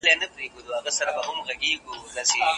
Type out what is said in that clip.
اسلام د رحم او کرم دین دی.